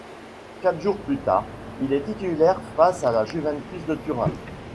Quatre jours plus tard il est titulaire face à la Juventus de Turin.